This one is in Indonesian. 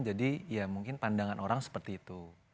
jadi ya mungkin pandangan orang seperti itu